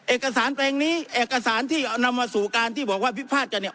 เอกสารแปลงนี้เอกสารที่นำมาสู่การที่บอกว่าพิพาทกันเนี่ย